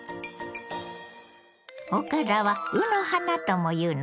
おからは「うの花」ともいうのよ。